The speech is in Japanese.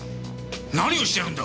何をしてるんだ！？